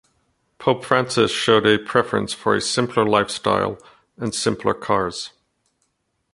Pope Francis showed a preference for a simpler lifestyle and simpler cars.